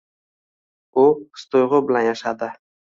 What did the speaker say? u his-tuyg‘u bilan yashadi.